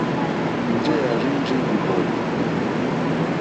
Njɛ̂ à rzênjé ìlìhwòànì.